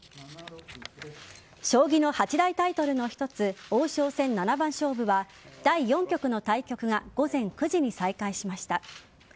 将棋の八大タイトルの一つ王将戦七番勝負は第４局の対局が午前９時に再開しました。